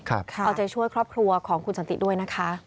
เอาใจช่วยครอบครัวของคุณสันติด้วยนะคะ